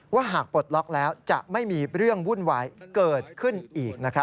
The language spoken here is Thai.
หากปลดล็อกแล้วจะไม่มีเรื่องวุ่นวายเกิดขึ้นอีก